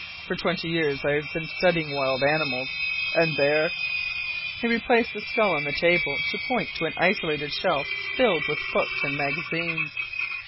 For twenty years I have been studying wild animals. And there " He replaced the skull on the table to point to an isolated shelf filled with books and magazines.